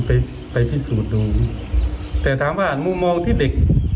ไปไปพิสูจน์ดูแต่ถามว่ามุมมองที่เด็ก